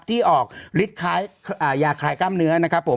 ที่ออกฤทธิ์คล้ายยาคลายกล้ามเนื้อนะครับผม